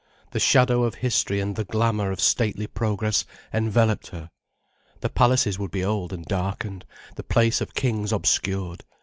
The shadow of history and the glamour of stately progress enveloped her. The palaces would be old and darkened, the place of kings obscured.